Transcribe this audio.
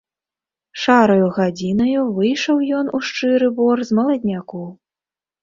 Шараю гадзінаю выйшаў ён у шчыры бор з маладняку.